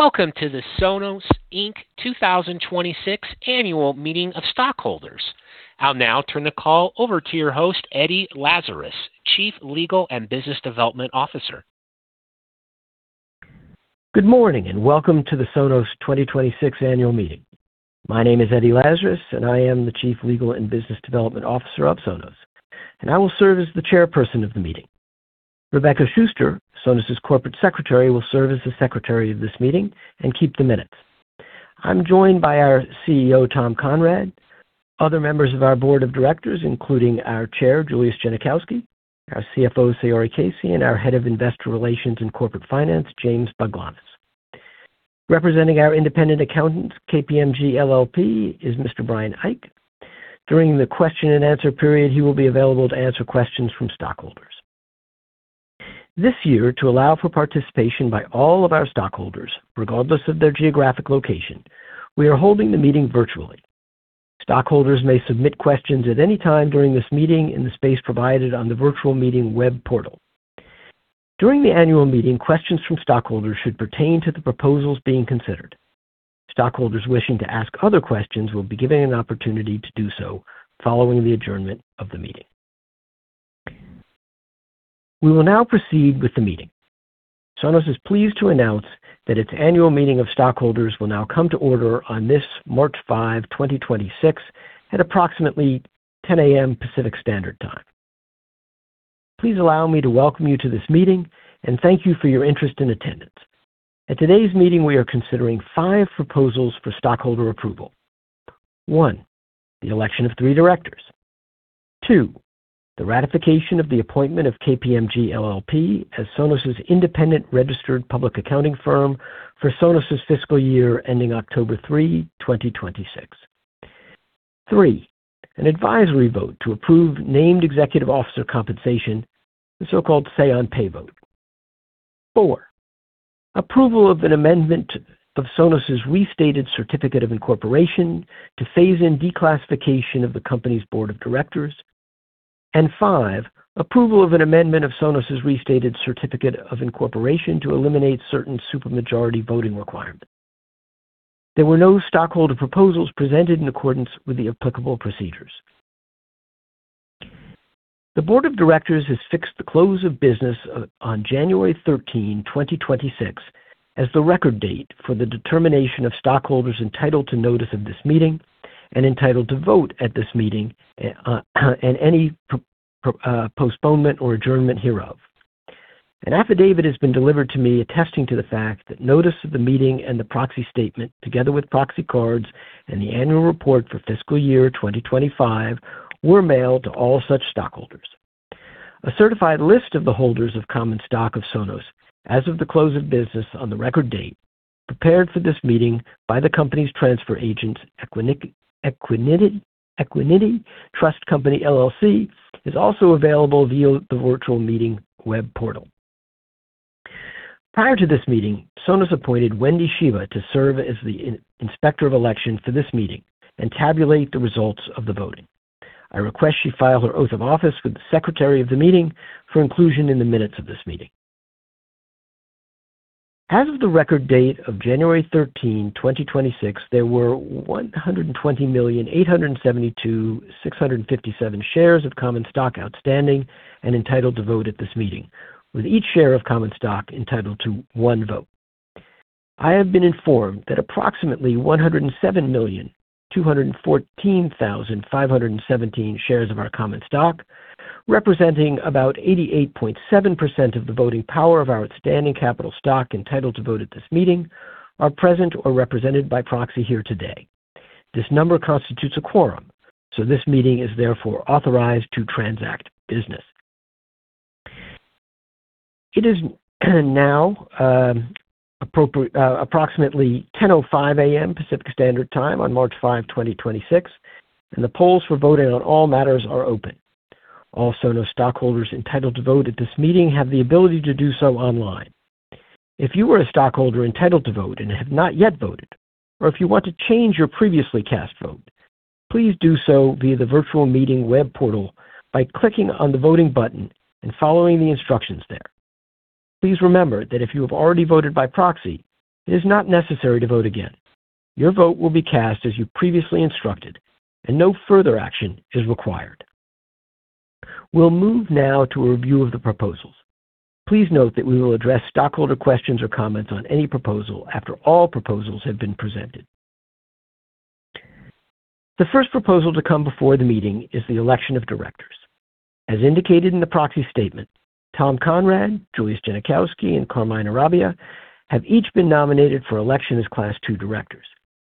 Welcome to the Sonos, Inc. 2026 Annual Meeting of Stockholders. I'll now turn the call over to your host, Edward Lazarus, Chief Legal and Business Development Officer. Good morning, welcome to the Sonos 2026 annual meeting. My name is Edward Lazarus, and I am the Chief Legal and Business Development Officer of Sonos, and I will serve as the chairperson of the meeting. Rebecca Schuster, Sonos's Corporate Secretary, will serve as the secretary of this meeting and keep the minutes. I'm joined by our CEO, Tom Conrad, other members of our board of directors, including our Chair, Julius Genachowski, our CFO, Saori Casey, and our Head of Investor Relations and Corporate Finance, James Baglanis. Representing our independent accountant, KPMG LLP, is Mr. Brian Eich. During the question and answer period, he will be available to answer questions from stockholders. This year, to allow for participation by all of our stockholders, regardless of their geographic location, we are holding the meeting virtually. Stockholders may submit questions at any time during this meeting in the space provided on the virtual meeting web portal. During the annual meeting, questions from stockholders should pertain to the proposals being considered. Stockholders wishing to ask other questions will be given an opportunity to do so following the adjournment of the meeting. We will now proceed with the meeting. Sonos is pleased to announce that its annual meeting of stockholders will now come to order on this March 5, 2026, at approximately 10:00 A.M. Pacific Standard Time. Please allow me to welcome you to this meeting and thank you for your interest and attendance. At today's meeting, we are considering 5 proposals for stockholder approval. 1, the election of 3 directors. 2, the ratification of the appointment of KPMG LLP as Sonos' independent registered public accounting firm for Sonos' fiscal year ending October 3, 2026. 3, an advisory vote to approve named executive officer compensation, the so-called Say-on-Pay vote. 4, approval of an amendment of Sonos' Restated Certificate of Incorporation to phase in declassification of the company's board of directors. 5, approval of an amendment of Sonos' Restated Certificate of Incorporation to eliminate certain super majority voting requirements. There were no stockholder proposals presented in accordance with the applicable procedures. The board of directors has fixed the close of business on January 13, 2026, as the record date for the determination of stockholders entitled to notice of this meeting and entitled to vote at this meeting, and any postponement or adjournment hereof. An affidavit has been delivered to me attesting to the fact that notice of the meeting and the proxy statement, together with proxy cards and the annual report for fiscal year 2025, were mailed to all such stockholders. A certified list of the holders of common stock of Sonos as of the close of business on the record date prepared for this meeting by the company's transfer agent, Equiniti Trust Company, LLC, is also available via the virtual meeting web portal. Prior to this meeting, Sonos appointed Wendy Shiva to serve as the inspector of election for this meeting and tabulate the results of the voting. I request she file her oath of office with the secretary of the meeting for inclusion in the minutes of this meeting. As of the record date of January 13, 2026, there were 120,872,657 shares of common stock outstanding and entitled to vote at this meeting, with each share of common stock entitled to 1 vote. I have been informed that approximately 107,214,517 shares of our common stock, representing about 88.7% of the voting power of our outstanding capital stock entitled to vote at this meeting, are present or represented by proxy here today. This number constitutes a quorum. This meeting is therefore authorized to transact business. It is now appropriate, approximately 10:05 A.M. Pacific Standard Time on March 5, 2026. The polls for voting on all matters are open. All Sonos stockholders entitled to vote at this meeting have the ability to do so online. If you are a stockholder entitled to vote and have not yet voted, or if you want to change your previously cast vote, please do so via the virtual meeting web portal by clicking on the voting button and following the instructions there. Please remember that if you have already voted by proxy, it is not necessary to vote again. Your vote will be cast as you previously instructed and no further action is required. We'll move now to a review of the proposals. Please note that we will address stockholder questions or comments on any proposal after all proposals have been presented. The first proposal to come before the meeting is the election of directors. As indicated in the proxy statement, Tom Conrad, Julius Genachowski, and Carmine Arabia have each been nominated for election as Class II directors,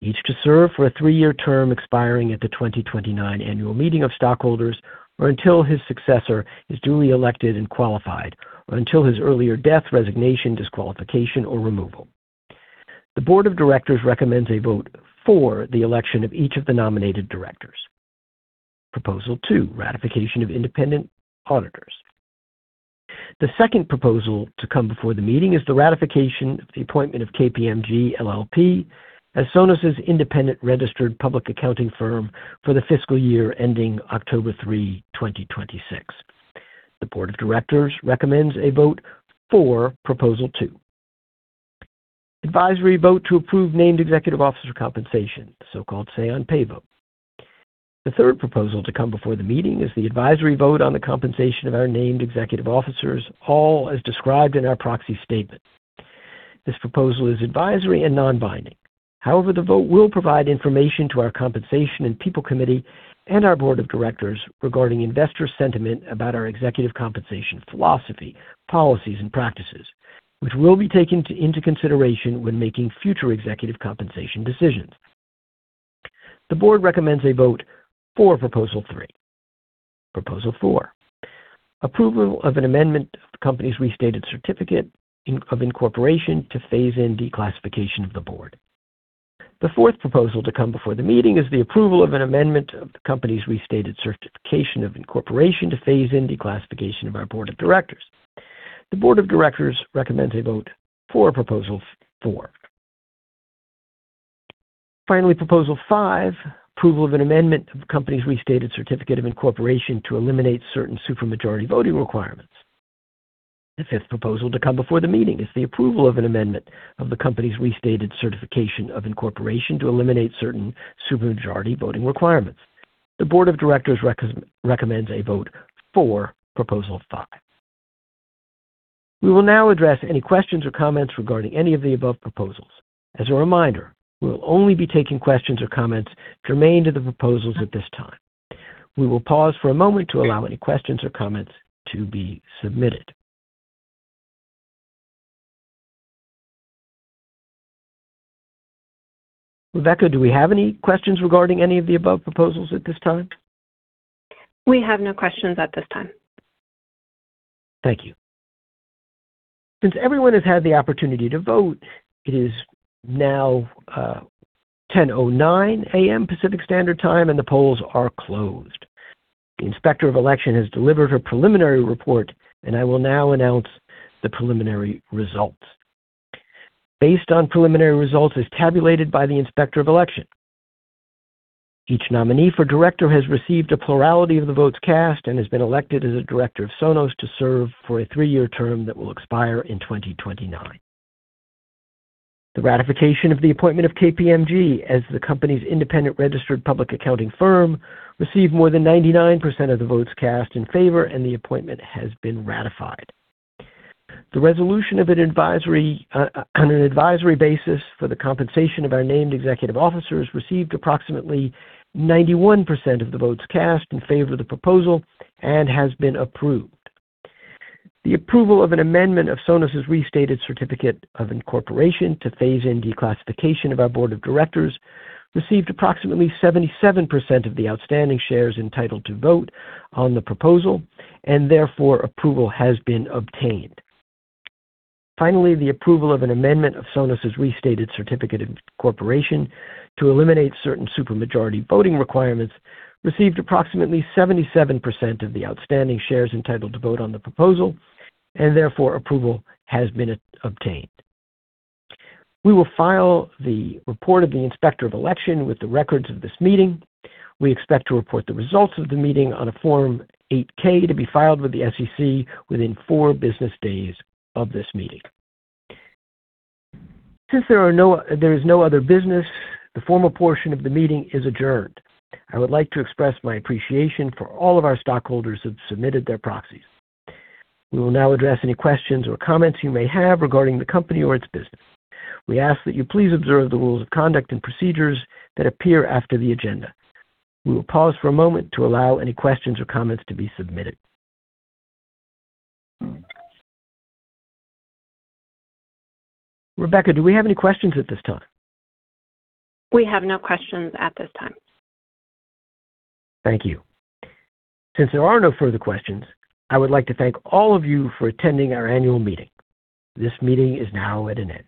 each to serve for a three-year term expiring at the 2029 Annual Meeting of Stockholders or until his successor is duly elected and qualified, or until his earlier death, resignation, disqualification, or removal. The board of directors recommends a vote for the election of each of the nominated directors. Proposal 2, ratification of independent auditors. The second proposal to come before the meeting is the ratification of the appointment of KPMG LLP as Sonos' independent registered public accounting firm for the fiscal year ending October 3, 2026. The board of directors recommends a vote for proposal 2. Advisory vote to approve named executive officer compensation, so-called Say-on-Pay vote. The third proposal to come before the meeting is the advisory vote on the compensation of our named executive officers, all as described in our proxy statement. This proposal is advisory and non-binding. The vote will provide information to our Compensation and People Committee and our Board of Directors regarding investor sentiment about our executive compensation philosophy, policies, and practices, which will be taken into consideration when making future executive compensation decisions. The Board recommends a vote for proposal three. Proposal four, approval of an amendment of the company's Restated Certificate of Incorporation to phase in declassification of the Board. The fourth proposal to come before the meeting is the approval of an amendment of the company's Restated Certificate of Incorporation to phase in declassification of our Board of Directors. The Board of Directors recommends a vote for proposal four. Finally, proposal five, approval of an amendment of the company's Restated Certificate of Incorporation to eliminate certain super majority voting requirements. The fifth proposal to come before the meeting is the approval of an amendment of the company's Restated Certificate of Incorporation to eliminate certain super majority voting requirements. The board of directors recommends a vote for proposal five. We will now address any questions or comments regarding any of the above proposals. As a reminder, we will only be taking questions or comments germane to the proposals at this time. We will pause for a moment to allow any questions or comments to be submitted. Rebecca, do we have any questions regarding any of the above proposals at this time? We have no questions at this time. Thank you. Since everyone has had the opportunity to vote, it is now 10:09 A.M. Pacific Standard Time, and the polls are closed. The Inspector of Election has delivered her preliminary report, and I will now announce the preliminary results. Based on preliminary results as tabulated by the Inspector of Election, each nominee for director has received a plurality of the votes cast and has been elected as a director of Sonos to serve for a 3-year term that will expire in 2029. The ratification of the appointment of KPMG as the company's independent registered public accounting firm received more than 99% of the votes cast in favor, and the appointment has been ratified. The resolution of an advisory on an advisory basis for the compensation of our named executive officers received approximately 91% of the votes cast in favor of the proposal and has been approved. The approval of an amendment of Sonos' Restated Certificate of Incorporation to phase in declassification of our board of directors received approximately 77% of the outstanding shares entitled to vote on the proposal and therefore approval has been obtained. Finally, the approval of an amendment of Sonos' Restated Certificate of Incorporation to eliminate certain super majority voting requirements received approximately 77% of the outstanding shares entitled to vote on the proposal, and therefore approval has been obtained. We will file the report of the inspector of election with the records of this meeting. We expect to report the results of the meeting on a Form 8-K to be filed with the SEC within four business days of this meeting. There is no other business, the formal portion of the meeting is adjourned. I would like to express my appreciation for all of our stockholders who have submitted their proxies. We will now address any questions or comments you may have regarding the company or its business. We ask that you please observe the rules of conduct and procedures that appear after the agenda. We will pause for a moment to allow any questions or comments to be submitted. Rebecca, do we have any questions at this time? We have no questions at this time. Thank you. Since there are no further questions, I would like to thank all of you for attending our annual meeting. This meeting is now at an end.